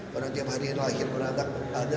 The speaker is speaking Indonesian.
karena tiap hari yang lahir berada ada